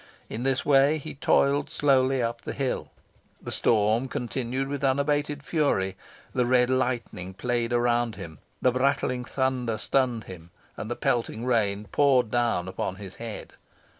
In this way he toiled slowly up the hill. The storm continued with unabated fury: the red lightning played around him, the brattling thunder stunned him, and the pelting rain poured down upon his head.